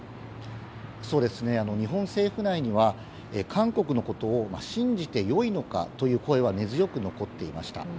日本政府内には韓国のことを信じて良いのかという声は根強く残っていました。